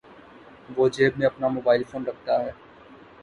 وہ جیب میں اپنا موبائل فون رکھتا ہے۔